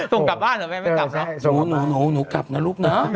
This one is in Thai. ส่งกลับบ้านเหรอไม่ค่อยไม่กลับอ่า